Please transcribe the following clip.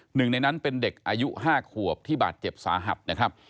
หนึ่งในนั้นเป็นเด็กอายุ๕ขวบที่บาดเจ็บสาหัสนะครับ